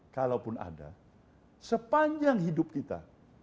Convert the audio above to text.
kalaupun ada sepanjang hidup kita